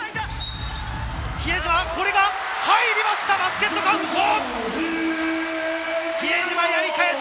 比江島、これは入りました、バスケットカウント！